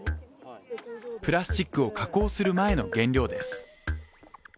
プラスチックを加工する前の原料です。